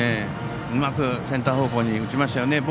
うまくセンター方向に打ちましたよね。